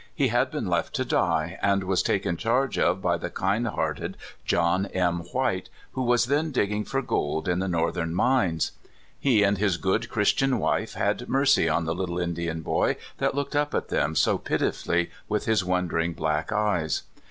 He had been left to die, and was taken charge of by the kind hearted John M. White, who was then digging for gold in the northern mines. He and his good Christian wife had mercy on the little Indian boy that looked up at them so pitifully with his wondering black eyes.